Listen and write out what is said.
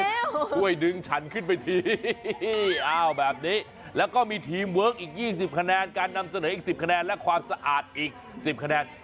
ช่วยดึงฉันขึ้นไปทีอ้าวแบบนี้แล้วก็มีทีมเวิร์คอีก๒๐คะแนนการนำเสนออีก๑๐คะแนนและความสะอาดอีก๑๐คะแนน